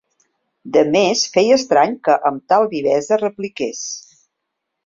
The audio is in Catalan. Demés feia estrany que amb tal vivesa repliqués.